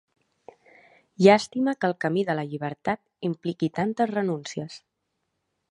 Llàstima que el camí de la llibertat impliqui tantes renúncies.